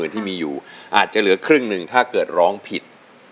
ที่มีอยู่อาจจะเหลือครึ่งหนึ่งถ้าเกิดร้องผิด